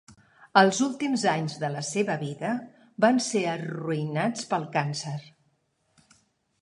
Els últims anys de la seva vida van ser arruïnats pel càncer.